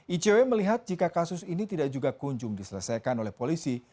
icw melihat jika kasus ini tidak juga kunjung diselesaikan oleh polisi